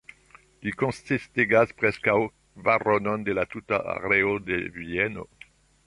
Ĝi konsistigas preskaŭ kvaronon de la tuta areo de Vieno.